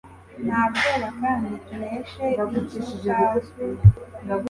nta bwoba kandi tuneshe ikitazwi